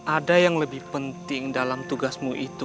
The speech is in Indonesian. ada yang lebih penting dalam tugasmu itu